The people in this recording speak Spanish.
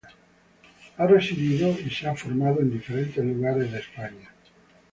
Ha residido y se ha formado en diferentes lugares de España.